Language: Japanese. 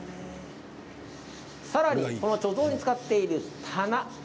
さらに貯蔵で使っている棚